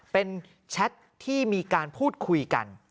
เป็นแชทที่มีการพูดคุยกัน